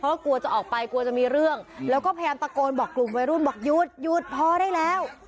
เพราะกลัวจะออกไปกลัวจะมีเรื่องแล้วก็พยายามตะโกนบอกกลุ่มวัยรุ่นบอกหยุดหยุดพอได้แล้ว